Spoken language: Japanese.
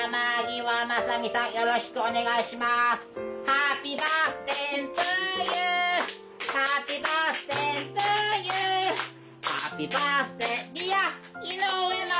「ハッピーバースデートゥユーハッピーバースデートゥユー」「ハッピーバースデーディア井上優さん」